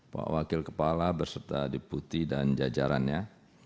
pak wakil kepala berserta deputi dan jajarannya